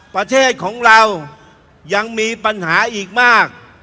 ประเทศของเรายังมีปัญหาอีกมาก